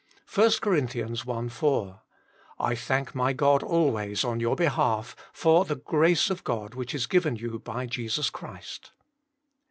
1 Cor. L 4 : "I thank my God always on your behalf, for the grace of God which is given you by Jesus Christ."